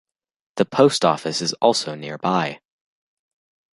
The post office is also nearby.